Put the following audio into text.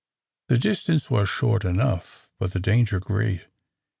The distance was short enough, but the danger great.